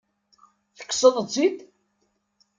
Tekkseḍ-tt-id?